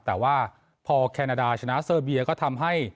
แต่ว่าพอแคนาดาชนะเซอร์เบียก็ทำให้